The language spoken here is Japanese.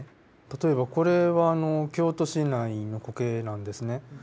例えばこれは京都市内のコケなんですね。